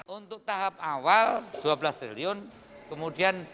untuk tahap awal rp dua belas triliun kemudian dua ribu dua puluh satu